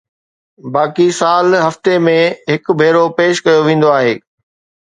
باقي سال هفتي ۾ هڪ ڀيرو پيش ڪيو ويندو آهي